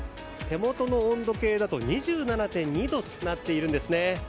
手元の温度計だと２７．２度となっているんですね。